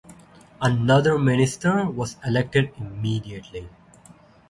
Another minister was elected immediately.